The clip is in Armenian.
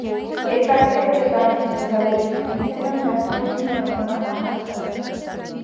Երկարատև և ծանր ծննդաբերությունից հետո, նրանց որդին ծնվում է մահացած։